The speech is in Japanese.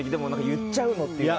言っちゃうっていうのは。